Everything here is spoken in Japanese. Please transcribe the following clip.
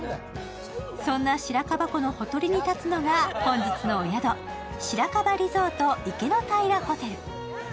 そんな白樺湖のほとりに立つのが本日のお宿、白樺リゾート池の平ホテル。